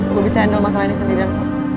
gue bisa handle masalah ini sendiri dan